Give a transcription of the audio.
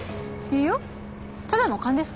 いやただの勘ですから。